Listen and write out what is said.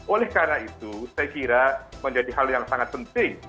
oleh karena itu saya kira menjadi hal yang sangat penting